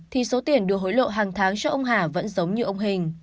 thì số tiền đưa hối lộ hàng tháng cho ông hà vẫn giống như ông hình